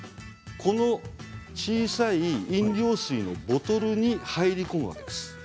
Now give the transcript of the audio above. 小さい飲料水のボトルに入り込むわけです。